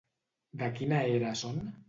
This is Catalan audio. De quina era són?